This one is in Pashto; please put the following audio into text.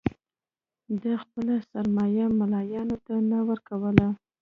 ده خپله سرسایه ملایانو ته نه ورکوله.